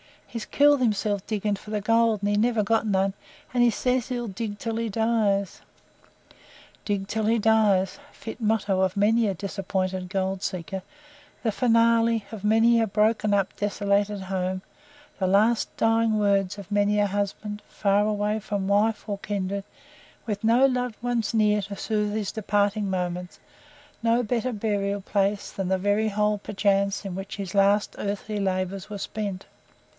He's killed hisself digging for the gold, and he never got none, and he says 'he'll dig till he dies.'" "Dig till he dies." Fit motto of many a disappointed gold seeker, the finale of many a broken up, desolated home, the last dying words of many a husband, far away from wife or kindred, with no loved ones near to soothe his departing moments no better burial place than the very hole, perchance, in which his last earthly labours were spent.